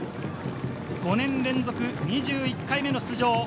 ５年連続２１回目の出場。